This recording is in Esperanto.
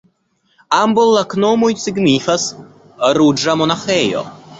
Ambaŭ loknomoj signifas: ruĝa monaĥejo.